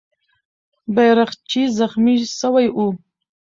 بیرغچی زخمي سوی وو.